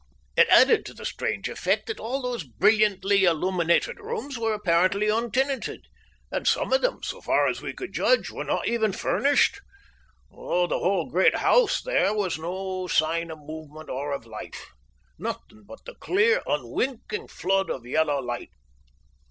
It added to the strange effect that all these brilliantly illuminated rooms were apparently untenanted, and some of them, so far as we could judge, were not even furnished. Through the whole great house there was no sign of movement or of life nothing but the clear, unwinking flood of yellow light.